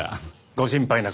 ご心配なく。